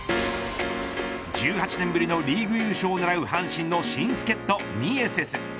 １８年ぶりのリーグ優勝を狙う阪神の新助っ人ミエセス。